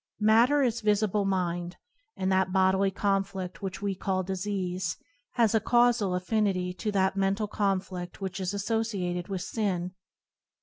Matter is visible mind, and that bodily conflict which we call disease has a causal affinity to that mental confli&which is associated with sin.